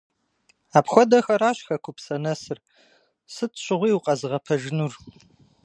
Апхуэдэхэращ хэкупсэ нэсыр, сыт щыгъуи укъэзыгъэпэжынур.